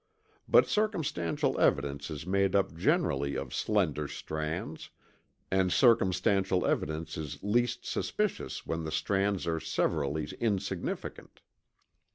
But circumstantial evidence is made up generally of slender strands; and circumstantial evidence is least suspicious when the strands are severally insignificant.